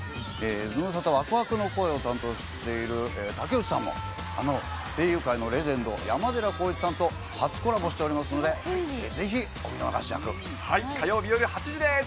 ズムサタわくわくの声を担当している武内さんも、あの声優界のレジェンド、山寺宏一さんと初コラボしておりますの火曜日夜８時です。